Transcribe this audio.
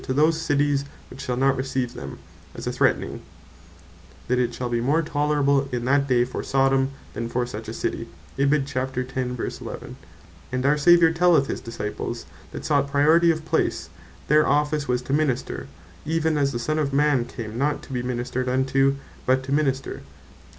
to those Cities which shall not receive them, as a threatning, that it shall be more tolerable in that day for Sodome, than for such a City. And (Mat. 20.28.) our Saviour telleth his Disciples, that sought Priority of place, their Office was to minister, even as the Son of man came, not to be ministred unto, but to minister.